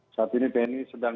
saat ini tni sedang